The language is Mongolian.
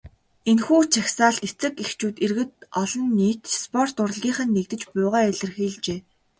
Энэхүү жагсаалд эцэг эхчүүд, иргэд олон нийт, спорт, урлагийнхан нэгдэж буйгаа илэрхийлжээ.